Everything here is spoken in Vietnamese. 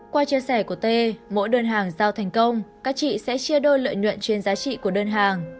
qua chia sẻ của t mỗi đơn hàng giao thành công các chị sẽ chia đôi lợi nhuận trên giá trị của đơn hàng